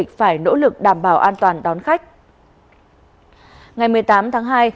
nhà lúc đó tôi đang ở phía tây